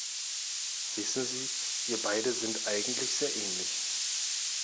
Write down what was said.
Wissen Sie, wir beide sind eigentlich sehr ähnlich.